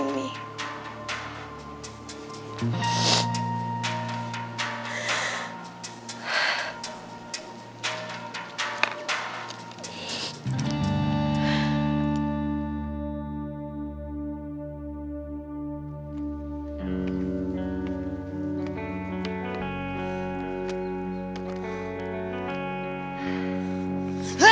aku mau ke rumah